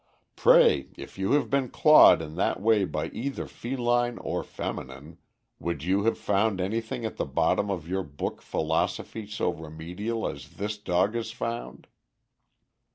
Pray, if you had been clawed in that way by either feline or feminine, would you have found anything at the bottom of your book philosophy so remedial as this dog has found?"